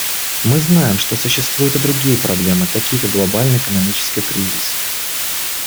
Мы знаем, что существуют и другие проблемы, такие как глобальный экономический кризис.